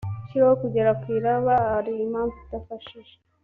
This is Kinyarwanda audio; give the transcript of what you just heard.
ushyireho kugera kuri iraba ari impamvu idafashije